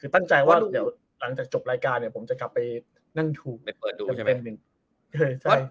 คือตั้งจะหว่าหรือหลังจากจบรายการเนี่ยผมจะกลับไปนั่งว่านั่นคือเป็น